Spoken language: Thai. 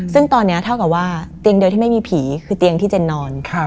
ซึ่งตอนนี้เท่ากับว่าเตียงเดียวที่ไม่มีผีคือเตียงที่เจนนอน